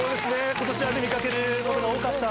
今年は見掛けることが多かった。